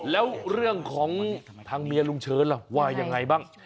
แล้วเรื่องของทางเมียลุงเชิญล่ะว่ายังไงบ้าง